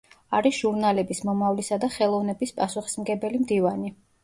არის ჟურნალების „მომავლისა“ და „ხელოვნების“ პასუხისმგებელი მდივანი.